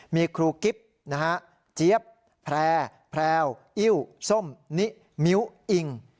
มีครูกิ๊บนะฮะเจี๊ยบแพร่แพรวอิ้วส้มนิมิ้วอิง